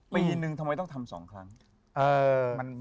ปีนึงทำไมต้องทำ๒ครั้ง